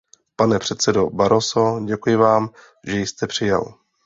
Pane předsedo Barroso, děkuji Vám, že jste přijel.